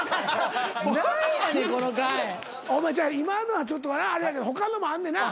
今のはちょっとあれやけど他のもあんねんな？